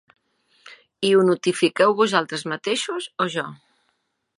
I ho notifiqueu vosaltres mateixos o jo?